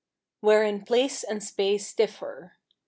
Wherein place and space differ.